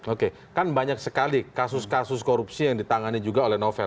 oke kan banyak sekali kasus kasus korupsi yang ditangani juga oleh novel